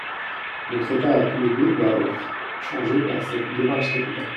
Notre état à tous les deux va être changé par cette démarche capitale.